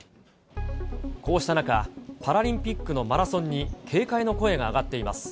こうした中、パラリンピックのマラソンに、警戒の声が上がっています。